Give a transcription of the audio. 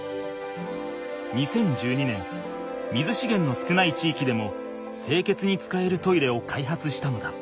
２０１２年水しげんの少ない地域でも清潔に使えるトイレを開発したのだ。